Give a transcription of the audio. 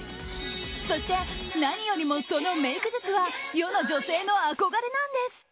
そして、何よりもそのメイク術は世の女性の憧れなんです。